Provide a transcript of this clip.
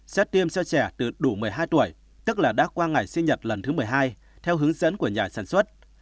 xét tiêm cho trẻ từ đủ một mươi hai tuổi tức là đã qua ngày sinh nhật lần thứ một mươi hai theo hướng dẫn của nhà sản xuất